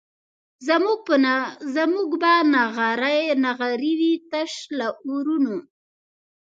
زموږ به نغري وي تش له اورونو